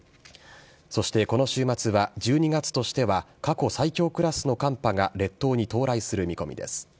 そしてこの週末は１２月としては過去最強クラスの寒波が列島に到来する見込みです。